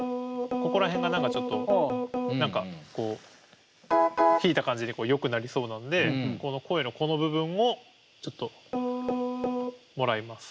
ここら辺が何かちょっと何かこう弾いた感じでよくなりそうなので声のこの部分をちょっともらいます。